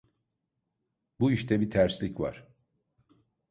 Bu işte bir terslik var.